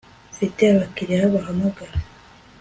Mfite abakiriya bahamagara